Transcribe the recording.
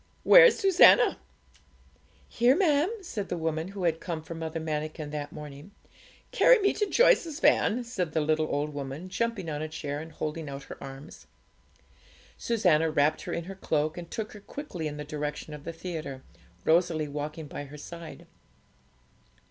Where's Susannah?' 'Here, ma'am,' said the woman who had come for Mother Manikin that morning. 'Carry me to Joyce's van,' said the little old woman, jumping on a chair and holding out her arms. Susannah wrapped her in her cloak, and took her quickly in the direction of the theatre, Rosalie walking by her side.